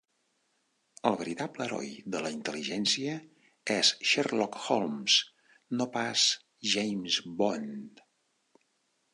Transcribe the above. El veritable heroi de la intel·ligència és Sherlock Holmes, no pas James Bond.